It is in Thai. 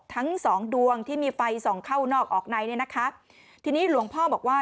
ทั้งสองดวงที่มีไฟส่องเข้านอกออกในเนี่ยนะคะทีนี้หลวงพ่อบอกว่า